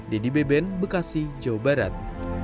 dedy beben bekasi jawa barat